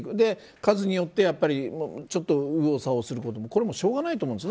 数によってちょっと右往左往することもこれはしょうがないと思うんです